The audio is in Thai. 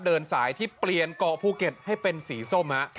เดินสายที่เปลี่ยนเกาะภูเก็ตให้เป็นสีส้ม